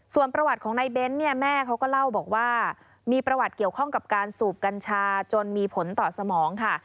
ส่วนประวัติของในเบ้นเนี่ยแม่เขาก็เล่าบอกว่ามีประวัติเกี่ยวข้องกับการสูบกัญชาจนมีผลต่อสมองค่ะ